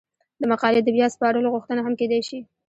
د مقالې د بیا سپارلو غوښتنه هم کیدای شي.